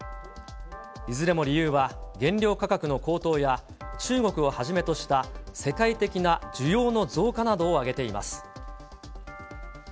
いずれも理由は原料価格の高騰や、中国をはじめとした世界的な需要の増加などを挙げています。